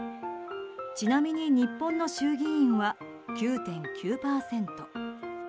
ちなみに日本の衆議院は９．９％。